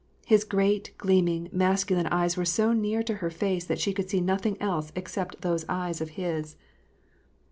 His great, gleaming, masculine eyes were so near to her face that she could see nothing else except those eyes of his.